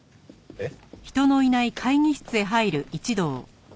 えっ！？